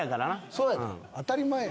そうやねん当たり前や。